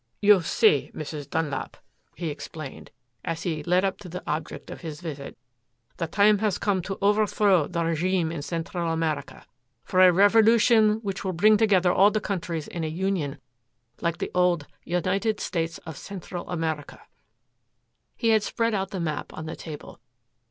"You see, Mrs. Dunlap," he explained, as he led up to the object of his visit, "the time has come to overthrow the regime in Central America for a revolution which will bring together all the countries in a union like the old United States of Central America." He had spread out the map on the table.